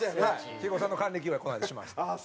肥後さんの還暦祝いをこの間しました。